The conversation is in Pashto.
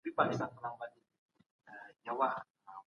ابن خلدون د ټولنپوهنې پلار ګڼل کيږي.